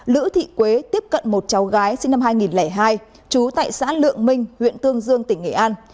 lữ thị quế tiếp cận một cháu gái sinh năm hai nghìn hai trú tại xã lượng minh huyện tương dương tỉnh nghệ an